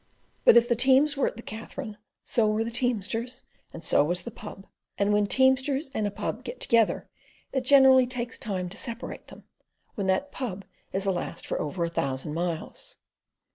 But if the teams were at the Katherine, so were the teamsters, and so was the Pub; and when teamsters and a pub get together it generally takes time to separate them, when that pub is the last for over a thousand miles.